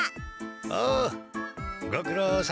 おうごくろうさん！